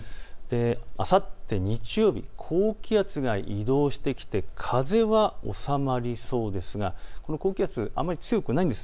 あさって日曜日、高気圧が移動してきて風は収まりそうですがこの高気圧、あまり強くないんです。